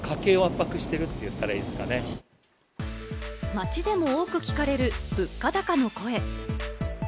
街でも多く聞かれる物価高の声。